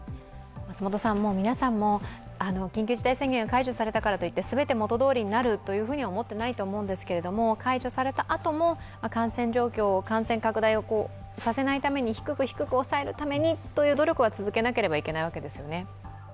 皆さんも緊急事態宣言が解除されたからといって全て元どおりになるというふうには思ってないと思うんですけど解除されたあとも感染状況、感染拡大をさせないために低く低く抑えるためにという努力は続けなければいけないわけですよね？